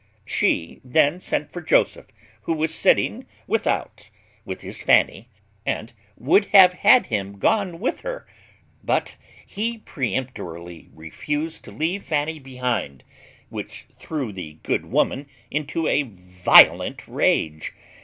She then sent for Joseph, who was sitting without with his Fanny, and would have had him gone with her; but he peremptorily refused to leave Fanny behind, which threw the good woman into a violent rage.